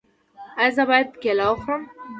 ایا زه باید کیله وخورم؟